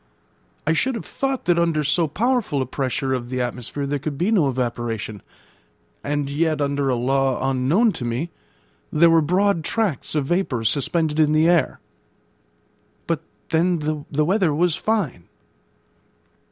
I should have thought that under so powerful a pressure of the atmosphere there could be no evaporation; and yet, under a law unknown to me, there were broad tracts of vapour suspended in the air. But then 'the weather was fine.'